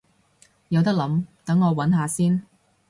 有得諗，等我搵下先